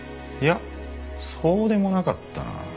いやそうでもなかったな。